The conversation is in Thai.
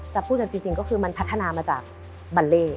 จะพูดจากจริงก็คือมันพัฒนามาจากบาเล